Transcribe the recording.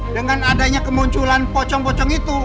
dengan adanya kemunculan pocong pocong itu